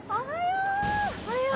おはよう！